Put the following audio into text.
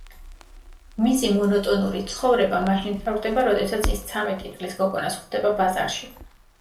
მისი მონოტონური ცხოვრება მაშინ მთავრდება, როდესაც ის ცამეტი წლის გოგონას ხვდება ბაზარში.